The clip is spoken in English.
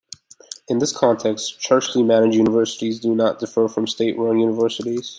In this context, churchly managed universities do not differ from state-run universities.